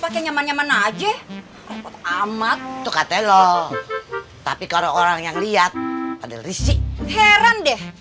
pakai nyaman nyaman aja amat tuh kate lo tapi kalau orang yang lihat pada risih heran deh